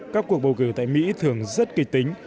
các cuộc bầu cử tại mỹ thường rất kịch tính